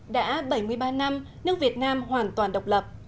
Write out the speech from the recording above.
đã bảy mươi ba năm nước việt nam hoàn toàn độc lập